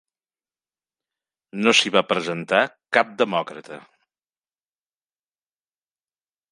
No s'hi va presentar cap demòcrata.